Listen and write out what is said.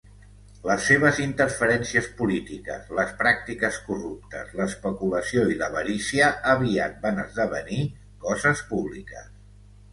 Les seves interferències polítiques, les pràctiques corruptes, l'especulació i l'avarícia aviat van esdevenir coses públiques.